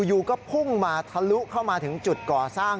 อยู่ก็พุ่งมาทะลุเข้ามาถึงจุดก่อสร้าง